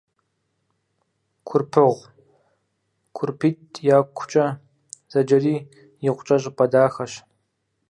Курпыгъу «КурпитӀ якукӀэ» зэджэри икъукӀэ щӀыпӀэ дахэщ.